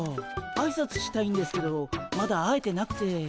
あいさつしたいんですけどまだ会えてなくて。